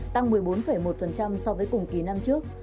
tăng một mươi bốn một so với cùng kỳ năm trước